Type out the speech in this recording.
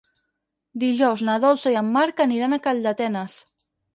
Dijous na Dolça i en Marc aniran a Calldetenes.